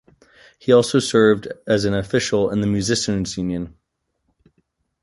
He also served as an official in the Musicians' Union.